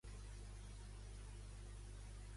Harca de foc, el segon apartat, es compon de sis poemes.